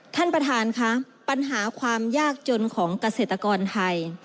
ท่านประธานค่ะปัญหาความยากจนของเกษตรกรไทย